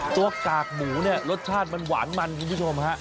กากหมูเนี่ยรสชาติมันหวานมันคุณผู้ชมฮะ